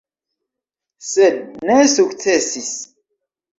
Sed ne sukcesis.